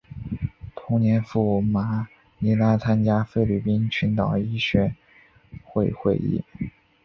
同年赴马尼拉参加菲律宾群岛医学会会议。